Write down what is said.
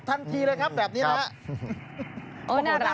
ทันทีเลยครับแบบนี้นะครับ